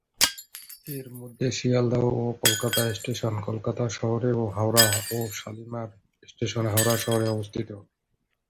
এর মধ্যে শিয়ালদহ ও কলকাতা স্টেশন কলকাতা শহরে ও হাওড়া ও শালিমার স্টেশন হাওড়া শহরে অবস্থিত।